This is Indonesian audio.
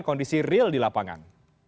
kondisi real di lapangan